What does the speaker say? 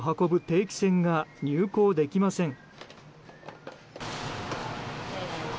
定期船が入港できません。